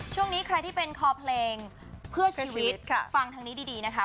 ช่วงนี้ใครที่เป็นคอเพลงเพื่อชีวิตฟังทางนี้ดีนะคะ